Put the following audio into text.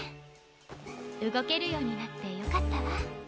うごけるようになってよかったわ。